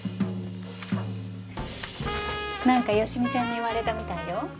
なんか好美ちゃんに言われたみたいよ。